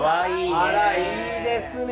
あらいいですね。